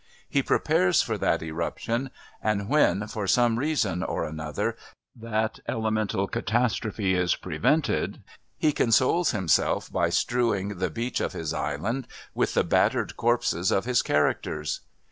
He prepares for that eruption and when, for some reason or another, that elemental catastrophe is prevented he consoles himself by strewing the beach of his island with the battered corpses of his characters.